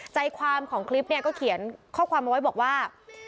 ใจความของคลิปเนี่ยก็เขียนข้อความเอาไว้บอกว่า